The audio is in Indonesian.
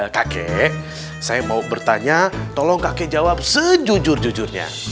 kakek saya mau bertanya tolong kakek jawab sejujur jujurnya